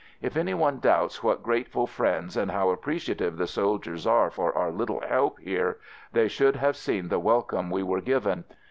If any one doubts what grateful friends and how appreciative the soldiers are for our little help here, they should have seen the welcome we were given.